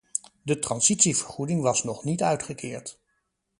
De transitievergoeding was nog niet uitgekeerd.